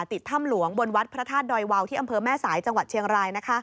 ติดถ้ำหลวงบนวัดพระธาตุดอยวาวที่อำเภอแม่สายจังหวัดเชียงราย